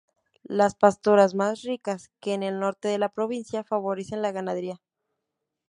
Las pasturas, más ricas que en el norte de la provincia, favorecen la ganadería.